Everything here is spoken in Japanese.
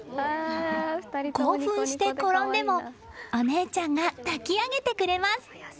興奮して転んでもお姉ちゃんが抱き上げてくれます。